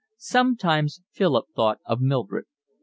Sometimes Philip thought of Mildred.